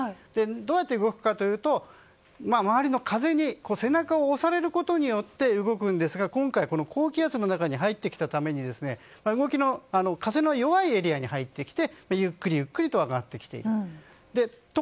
どうやって動くかというと周りの風に背中を押されることによって動くんですが今回この高気圧の中に入ってきたために風の弱いエリアに入ってきてゆっくりと上がってきていると。